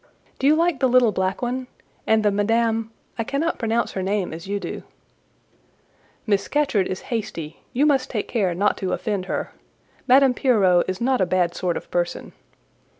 "Do you like the little black one, and the Madame ——?—I cannot pronounce her name as you do." "Miss Scatcherd is hasty—you must take care not to offend her; Madame Pierrot is not a bad sort of person."